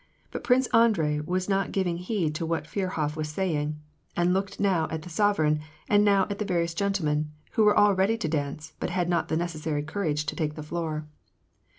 But Prince Andrei was not giving heed to what Firhof was saying, and looked now at the sovereign, and now at the various gen tlemen, who were all ready to dance, but had not the necessary courage to take the floor.